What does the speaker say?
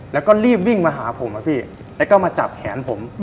แล้วก็รีบวิ่งมาหาผมอะพี่แล้วก็มาจับแขนผม